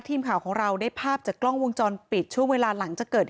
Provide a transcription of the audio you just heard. ทีมข่าวของเราได้ภาพจากกล้องวงจรปิดช่วงเวลาหลังจากเกิดเหตุ